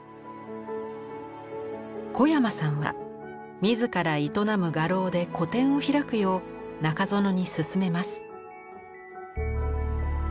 小山さんは自ら営む画廊で個展を開くよう中園に勧めます。